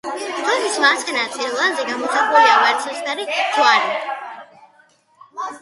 დროშის მარცხენა წილ ველზე გამოსახულია ვერცხლისფერი ჯვარი.